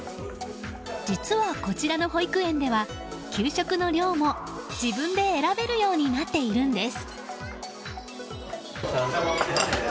実は、こちらの保育園では給食の量も自分で選べるようになっているんです。